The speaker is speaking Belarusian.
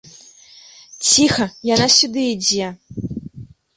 Ціха, яна сюды ідзе.